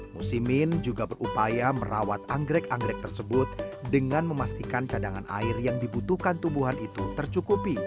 musimin juga berupaya merawat anggrek anggrek tersebut dengan memastikan cadangan air yang dibutuhkan tumbuhan itu tercukupi